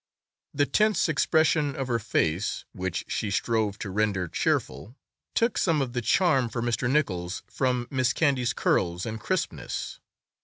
The tense expression of her face, which she strove to render cheerful, took some of the charm for Mr. Nichols from Miss Candy's curls and crispness.